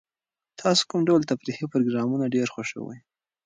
تاسو کوم ډول تفریحي پروګرامونه ډېر خوښوئ؟